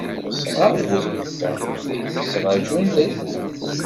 Asɣar bu twekka, i t-ittṛaǧun d rekku.